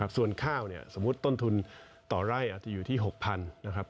ส่วนข้าวสมมุติต้นทุนต่อไร้จะอยู่ที่๖๐๐๐บาท